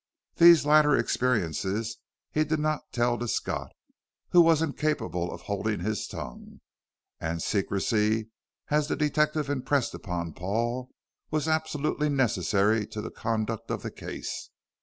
These latter experiences he did not tell to Scott, who was incapable of holding his tongue, and secrecy, as the detective impressed on Paul, was absolutely necessary to the conduct of the case.